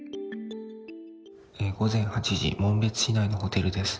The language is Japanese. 午前８時紋別市内のホテルです。